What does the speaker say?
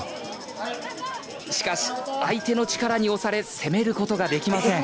しかし相手の力に押され攻めることができません。